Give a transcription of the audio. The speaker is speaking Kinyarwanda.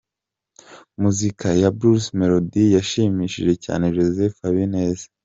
Muzika ya Bruce Melodie yashimishije cyane Joseph Habineza.